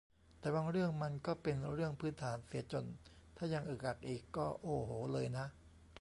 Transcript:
แต่บางเรื่องมันก็เป็นเรื่องพื้นฐานเสียจน ถ้ายังอึกอักอีก ก็ โอ้โห เลยนะ